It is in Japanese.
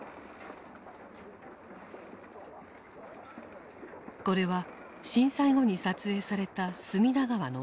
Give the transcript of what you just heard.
これは震災後に撮影された隅田川の映像である。